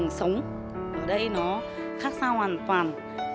cái môi trường sống ở đây nó khác xa hoàn toàn